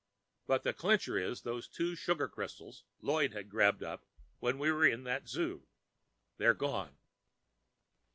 But the clincher is those two sugar crystals Lloyd had grabbed up when we were in that zoo. They're gone.